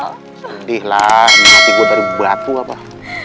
sedih lah hati gua dari batu abah